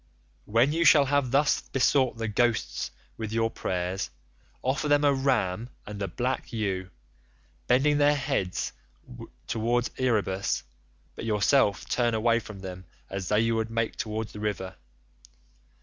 "'When you shall have thus besought the ghosts with your prayers, offer them a ram and a black ewe, bending their heads towards Erebus; but yourself turn away from them as though you would make towards the river.